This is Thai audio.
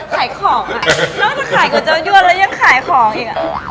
ขายของอ่ะนอกจากขายก๋วเจ้ายวนแล้วยังขายของอีกอ่ะ